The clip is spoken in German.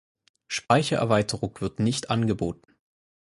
Speichererweiterung wird nicht angeboten.